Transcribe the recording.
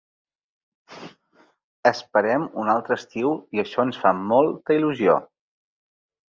Esperem un altre estiu i això ens fa molta il·lusió.